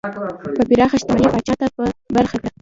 پراخه شتمنۍ پاچا ته په برخه کړه.